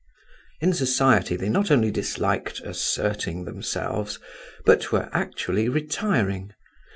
In society they not only disliked asserting themselves, but were actually retiring.